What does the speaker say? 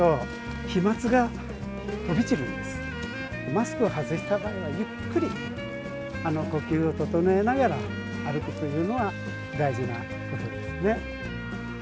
マスクを外した場合はゆっくり呼吸を整えながら歩くというのは大事なことですね。